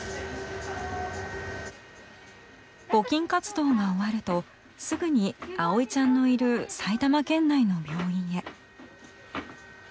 募金活動が終わるとすぐに葵ちゃんのいる埼玉県内の病院へ。